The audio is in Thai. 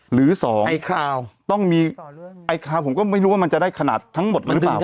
หรือสองต้องมีไอ้คราวผมก็ไม่รู้ว่ามันจะได้ขนาดทั้งหมดหรือเปล่า